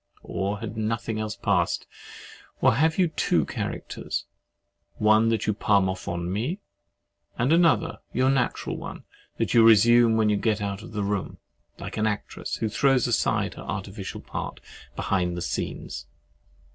Or had nothing else passed? Or have you two characters, one that you palm off upon me, and another, your natural one, that you resume when you get out of the room, like an actress who throws aside her artificial part behind the scenes?